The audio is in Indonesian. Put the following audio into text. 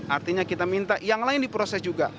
artinya kita minta yang lain diproses juga